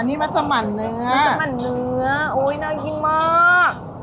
อันนี้มัสมันเนื้ออุ๊ยน่ากินมาก